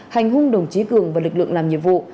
hành hung đồng chí cường và lực lượng làm nhiệm vụ